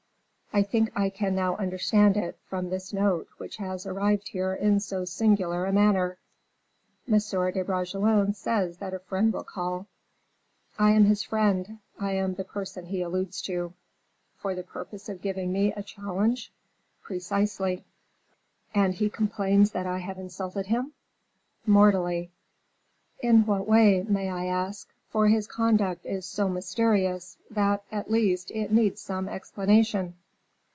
"I think I can now understand it, from this note, which has arrived here in so singular a manner. Monsieur de Bragelonne says that a friend will call." "I am his friend. I am the person he alludes to." "For the purpose of giving me a challenge?" "Precisely." "And he complains that I have insulted him?" "Mortally." "In what way, may I ask; for his conduct is so mysterious, that, at least, it needs some explanation?"